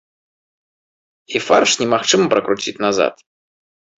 І фарш немагчыма пракруціць назад.